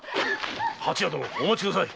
蜂屋殿お待ちください。